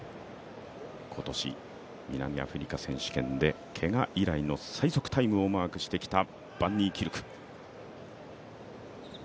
今年南アフリカ選手権でけが以来の最速タイムをマークしてきたバンニーキルク。